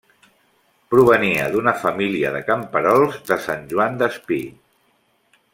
Provenia d'una família de camperols de Sant Joan Despí.